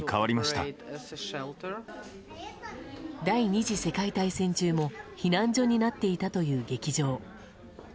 第２次世界大戦中も避難所になっていたという劇場。